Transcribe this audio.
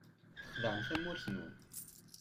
Txedɛem tamurt-nwen.